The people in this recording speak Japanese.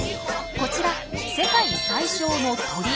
こちら世界最小の鳥。